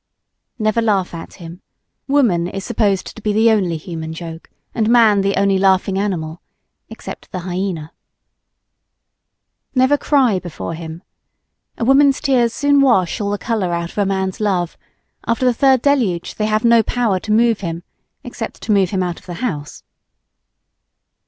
Never laugh at him. Woman is supposed to be the only human joke and man the only laughing animal except the hyena. Never cry before him. A woman's tears soon wash all the color out of a man's love; after the third deluge they have no power to move him except to move him out of the house.